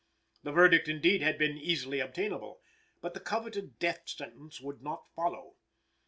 The verdict indeed had been easily obtainable, but the coveted death sentence would not follow.